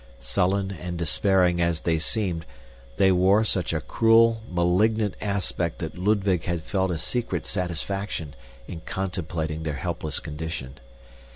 Sullen and despairing as they seemed, they wore such a cruel, malignant aspect that Ludwig had felt a secret satisfaction in contemplating their helpless condition.